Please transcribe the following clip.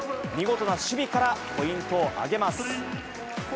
見事な守備からポイントを挙げます。